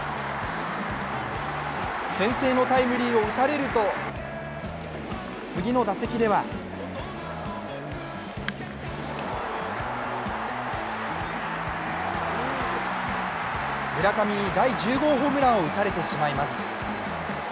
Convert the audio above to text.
先制のタイムリーを打たれると次の打席では村上に第１０号ホームランを打たれてしまいます。